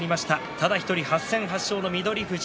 ただ１人８戦８勝の翠富士